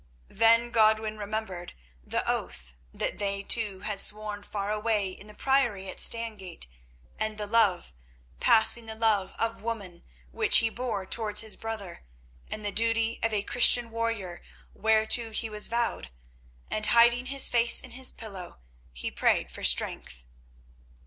Then Godwin remembered the oath that they two had sworn far away in the Priory at Stangate, and the love passing the love of woman which he bore towards this brother, and the duty of a Christian warrior whereto he was vowed, and hiding his face in his pillow he prayed for strength.